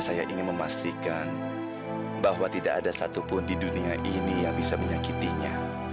sampai jumpa di video selanjutnya